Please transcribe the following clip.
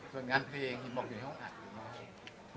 ส่วนงานเพลงเห็นบอกอยู่ในห้องอัดหรือไม่